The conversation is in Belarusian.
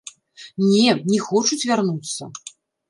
Не, не хочуць вярнуцца.